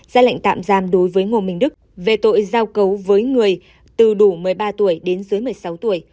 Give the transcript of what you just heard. ra lệnh tạm giam đối với ngô minh đức về tội giao cấu với người từ đủ một mươi ba tuổi đến dưới một mươi sáu tuổi